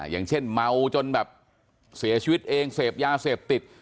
อย่างเช่นเมาจนแบบเสียชีวิตเองเสพยาเสพติด